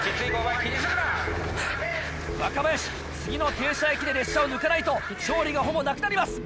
若林次の停車駅で列車を抜かないと勝利がほぼなくなります。